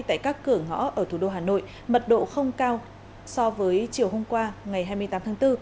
tại các cửa ngõ ở thủ đô hà nội mật độ không cao so với chiều hôm qua ngày hai mươi tám tháng bốn